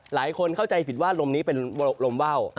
หลายคนเข้าใจผิดว่าลมนี้เป็นลมว่าว